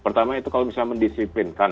pertama itu kalau misalnya mendisiplinkan